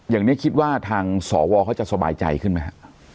อย่างนี้คิดว่าทางสวเขาจะสบายใจขึ้นไหมฮะ